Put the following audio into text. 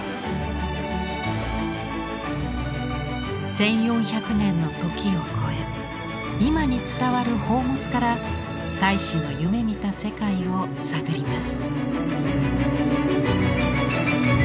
１，４００年の時を超え今に伝わる宝物から太子の夢みた世界を探ります。